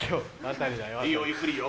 いいよゆっくりいいよ。